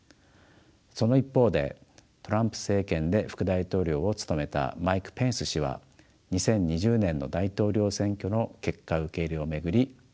その一方でトランプ政権で副大統領を務めたマイク・ペンス氏は２０２０年の大統領選挙の結果受け入れを巡りトランプ氏と対立しています。